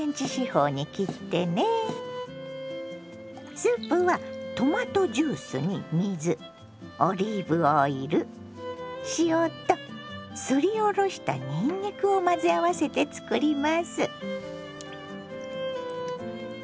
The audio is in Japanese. スープはトマトジュースに水オリーブオイル塩とすりおろしたにんにくを混ぜ合わせて作ります。